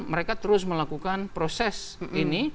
mereka terus melakukan proses ini